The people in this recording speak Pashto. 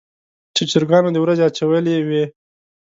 چې چرګانو د ورځې اچولې وي.